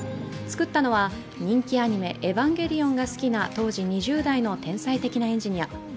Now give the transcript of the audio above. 作ったのは、人気アニメ「エヴァンゲリオン」が好きな当時２０代の天才的なエンジニア。